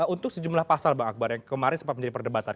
untuk sejumlah pasal bang akbar yang kemarin sempat menjadi perdebatan